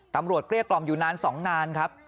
ตำรวจเกลี้ยกล่อมอยู่นานสองนานครับ